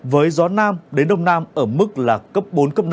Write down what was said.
với gió nam đến đông nam ở mức là cấp bốn cấp năm